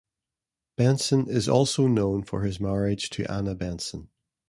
Benson is also known for his marriage to Anna Benson.